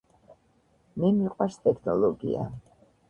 მე მიყვარს ტექნოლოგია.